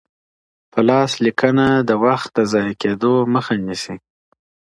په لاس لیکلنه د وخت د ضایع کیدو مخه نیسي.